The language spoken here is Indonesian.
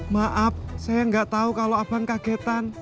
maaf saya gak tau kalau abang kagetan